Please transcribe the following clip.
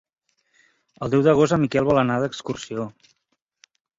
El deu d'agost en Miquel vol anar d'excursió.